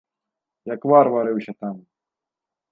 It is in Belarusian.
Як вар варыўся там.